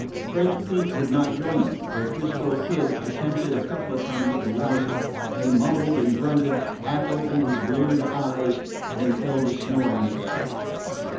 French Pete did not join them, though 'Frisco Kid attempted a couple of times to rouse him. He mumbled and grunted, half opened his bleared eyes, then fell to snoring again.